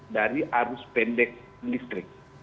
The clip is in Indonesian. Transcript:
dari arus pendek listrik